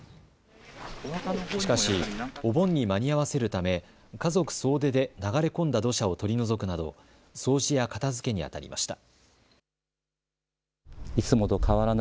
しかしお盆に間に合わせるため家族総出で流れ込んだ土砂を取り除くなど掃除や片づけにあたりました。